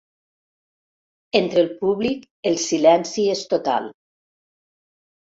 Entre el públic el silenci és total.